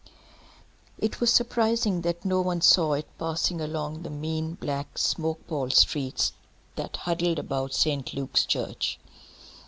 It was surprising that no one saw it passing along the mean, black, smoke palled streets that huddle about Saint Luke's Church.